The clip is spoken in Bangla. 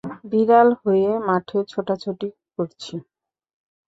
বিড়াল হয়ে মাঠে ছোটাছুটি করছি।